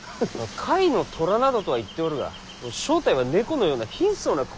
甲斐の虎などとはいっておるが正体は猫のような貧相な小男かもしれん。